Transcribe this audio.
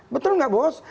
betul nggak bos